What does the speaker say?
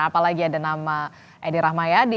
apalagi ada nama edi rahmayadi